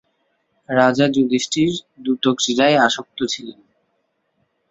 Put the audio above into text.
রাজা যুধিষ্ঠির দ্যূতক্রীড়ায় আসক্ত ছিলেন।